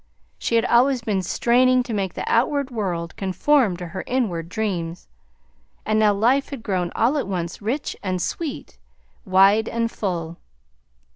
She had always been straining to make the outward world conform to her inward dreams, and now life had grown all at once rich and sweet, wide and full.